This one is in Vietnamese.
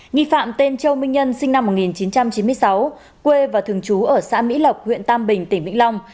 nghi phạm tên châu minh nhân sinh năm một nghìn chín trăm chín mươi sáu quê và thường trú ở xã mỹ lộc huyện tam bình tỉnh vĩnh long